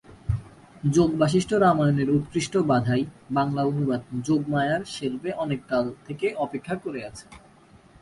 যোগবাশিষ্ঠ রামায়ণের উৎকৃষ্ট বাঁধাই বাংলা অনুবাদ যোগমায়ার শেলফে অনেক কাল থেকে অপেক্ষা করে আছে।